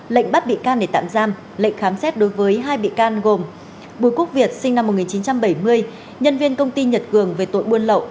lệnh bắt bị can để tạm giam lệnh khám xét đối với hai bị can gồm bùi quốc việt sinh năm một nghìn chín trăm bảy mươi nhân viên công ty nhật cường về tội buôn lậu